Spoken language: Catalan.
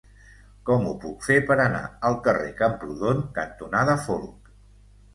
Com ho puc fer per anar al carrer Camprodon cantonada Folc?